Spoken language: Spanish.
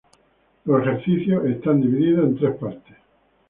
Los ejercicios están divididos en tres partes.